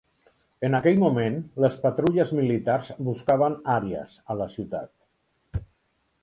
En aquell moment, les patrulles militars buscaven Arias a la ciutat.